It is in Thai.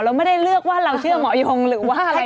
เราไม่ได้เลือกว่าเราเชื่อหมอยงหรือว่าอะไร